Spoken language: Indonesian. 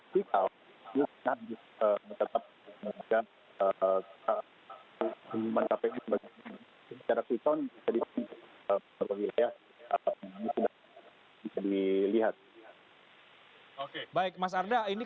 di depan pada daerah di depan pada daerah di depan pada daerah